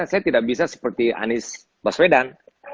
saya tidak bisa seperti anies baswedan